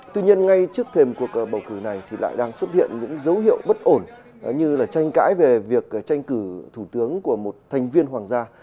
tuy nhiên ngay trước thềm cuộc bầu cử này thì lại đang xuất hiện những dấu hiệu bất ổn như tranh cãi về việc tranh cử thủ tướng của một thành viên hoàng gia